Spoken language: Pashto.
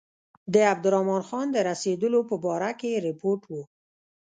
د عبدالرحمن خان د رسېدلو په باره کې رپوټ و.